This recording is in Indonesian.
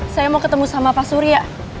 saya mau ketemu sama pak surya